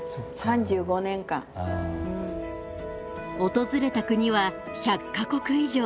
訪れた国は１００か国以上。